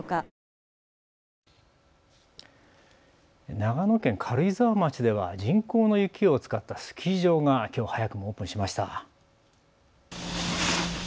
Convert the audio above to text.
長野県軽井沢町では人工の雪を使ったスキー場がきょう早くもオープンしました。